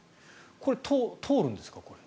これ、通るんですか？